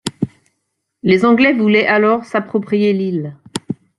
Les Anglais voulaient alors s'approprier l'île.